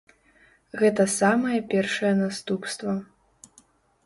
Гэта самае першае наступства.